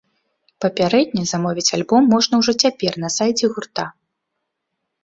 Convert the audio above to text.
Папярэдне замовіць альбом можна ўжо цяпер на сайце гурта.